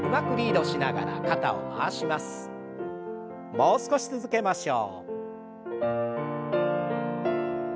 もう少し続けましょう。